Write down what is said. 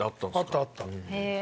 あったあった。